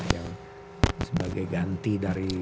yang sebagai ganti dari